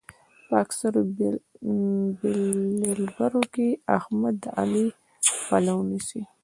په اکثرو بېلبرو کې احمد د علي پلو نيسي.